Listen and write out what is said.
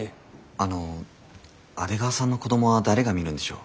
あの阿出川さんの子供は誰が見るんでしょう？